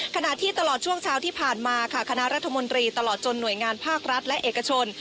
ขณะที่ตลอดช่วงเช้าที่ผ่านมาค่ะคณะรัฐมนตรีตลอดจนหน่วยงานภาครัฐและเอกชน